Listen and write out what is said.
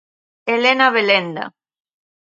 Elena Belenda.